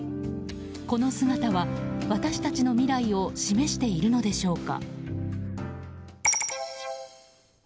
この姿は私たちの未来を示しているのでしょうか。